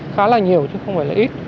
khá là nhiều chứ không phải là ít